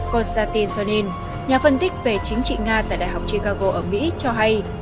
konstantin sonnin nhà phân tích về chính trị nga tại đại học chicago ở mỹ cho hay